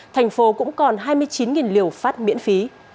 thành phố cũng còn hai mươi chín liều phát miễn phí